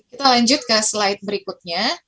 kita lanjut ke slide berikutnya